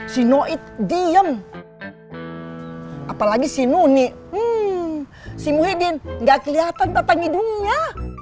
si noid diem apalagi si nuni si muhyiddin gak kelihatan datang hidungnya